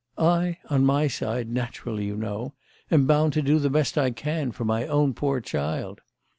I, on my side, naturally, you know, am bound to do the best I can for my own poor child.